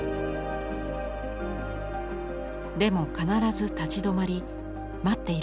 でも必ず立ち止まり待っている岡本。